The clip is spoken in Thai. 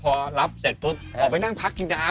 พอรับเสร็จปุ๊บออกไปนั่งพักกินน้ำ